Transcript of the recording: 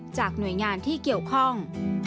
หน่วยงานที่เกี่ยวข้อง